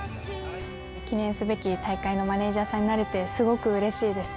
記念すべき大会のマネージャーさんになれて、すごくうれしいです。